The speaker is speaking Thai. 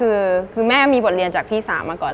อเรนนี่คือไปเรียนเราไปเรียนก่อน